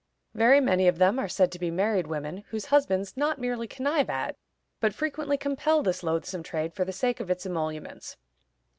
Very many of them are said to be married women, whose husbands not merely connive at, but frequently compel this loathsome trade for the sake of its emoluments.